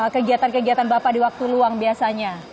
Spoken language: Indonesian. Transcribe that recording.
kegiatan kegiatan bapak di waktu luang biasanya